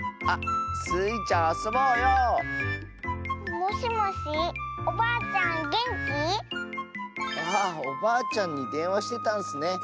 あっおばあちゃんにでんわしてたんスね。